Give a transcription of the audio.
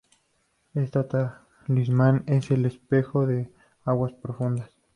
Este talismán es el "Espejo de Aguas Profundas".